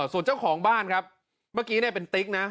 ส่วนเจ้าของบ้านครับเมื่อกี้เนี่ยเป็นติ๊กนะ